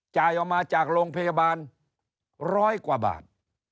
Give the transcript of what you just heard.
เศร้าใครเอามาจากโรงพยาบาล